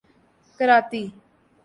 کراتی